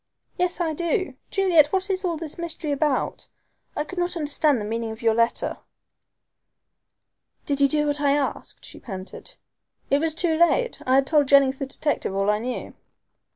"Yes I do. Juliet, what is all this mystery about? I could not understand the meaning of your letter." "Did you do what I asked?" she panted. "It was too late. I had told Jennings the detective all I knew."